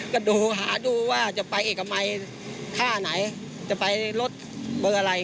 ก็ดูหาดูว่าจะไปเอกมัยท่าไหนจะไปรถเบอร์อะไร